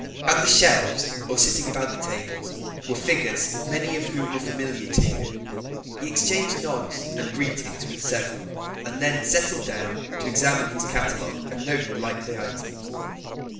At the shelves, or sitting about at the tables, were figures, many of whom were familiar to him. He exchanged nods and greetings with several, and then settled down to examine his catalogue and note likely items.